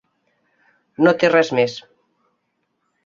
No té res més.